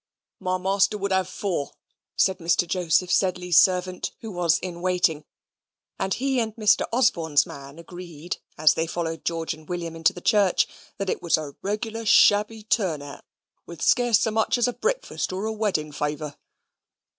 "My master would have four," said Mr. Joseph Sedley's servant, who was in waiting; and he and Mr. Osborne's man agreed as they followed George and William into the church, that it was a "reg'lar shabby turn hout; and with scarce so much as a breakfast or a wedding faviour."